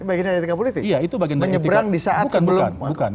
menyeberang di saat sebelum kalah perang